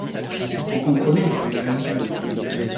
Vous comprenez, une jeune fille.